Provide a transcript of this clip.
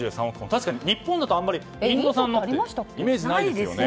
確かに日本だとインド産のイメージないですよね。